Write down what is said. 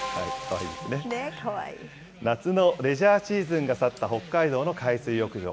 夏のレジャーシーズンが去った北海道の海水浴場。